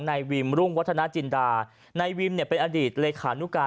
นายวิมรุ่งวัฒนาจินดานายวิมเนี่ยเป็นอดีตเลขานุการ